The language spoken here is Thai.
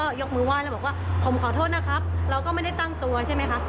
ก็ยกมือไห้แล้วบอกว่าผมขอโทษนะครับเราก็ไม่ได้ตั้งตัวใช่ไหมคะ